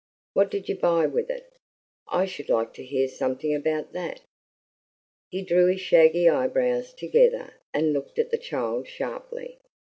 What did you buy with it? I should like to hear something about that." He drew his shaggy eyebrows together and looked at the child sharply.